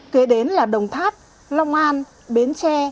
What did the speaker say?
kế đến là đồng tháp long an bến tre